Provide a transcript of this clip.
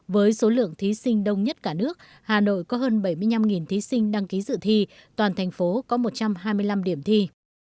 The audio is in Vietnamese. với số lượng thí sinh đông nhất cả nước hà nội có hơn bảy mươi năm thí sinh đăng ký dự thi toàn thành phố có một trăm hai mươi năm điểm thi